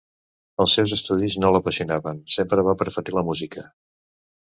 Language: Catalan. Els seus estudis no l'apassionaven, sempre va preferir la música.